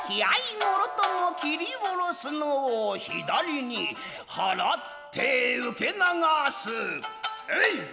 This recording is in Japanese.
もろとも斬り下ろすのを左に払って受け流す「えいっ！」。